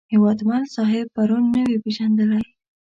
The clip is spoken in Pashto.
هیوادمل صاحب پرون نه وې پېژندلی.